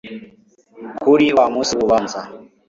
kuri wa munsi w'urubanza